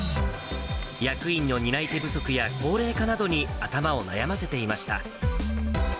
役員の担い手不足や高齢化などに頭を悩ませていました。